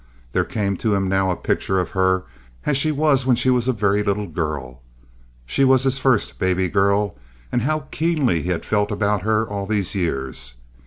There came to him now a picture of her as she was when she was a very little girl—she was his first baby girl—and how keenly he had felt about her all these years.